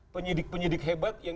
penyidik penyidik hebat yang